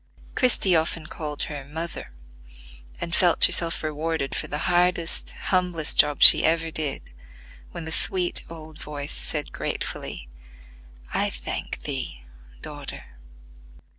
Christie often called her "Mother," and felt herself rewarded for the hardest, humblest job she ever did when the sweet old voice said gratefully, "I thank thee, daughter."